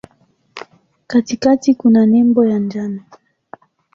Katikati kuna nembo ya njano.